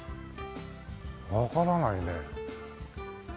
わからないね。